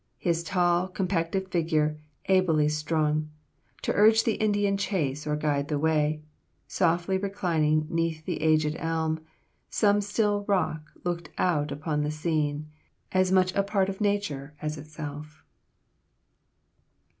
His tall, compacted figure, ably strung To urge the Indian chase or guide the way, Softly reclining 'neath the aged elm, Like some still rock looked out upon the scene, As much a part of nature as itself."